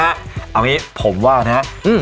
เอาอย่างงี้ผมว่านะฮะอืม